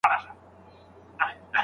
که وسع نه وي قرض کول لازم نه دي.